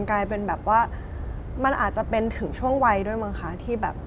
กลายเป็นแบบว่ามันอาจจะเป็นถึงช่วงวัยด้วยมั้งคะที่แบบ